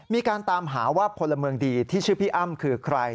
มีการตามหาว่าพลเมืองดีที่ชื่อพี่อ้ำคือใคร